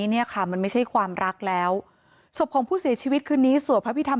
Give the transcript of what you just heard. เนี่ยค่ะมันไม่ใช่ความรักแล้วศพของผู้เสียชีวิตคืนนี้สวดพระพิธรรม